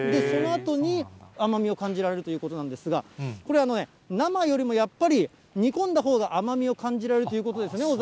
そのあとに甘みを感じられるということなんですが、これ、生よりも、やっぱり煮込んだほうが甘みを感じられるということですね？